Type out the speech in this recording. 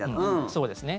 そうですね。